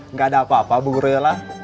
nggak ada apa apa bu guryola